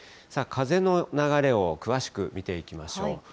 風の流れを詳しく見ていきましょう。